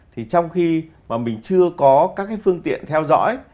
thì trong khi mà mình chưa có các phương tiện theo dõi